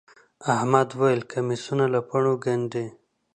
احمد وويل: کمیسونه له پاڼو گنډي.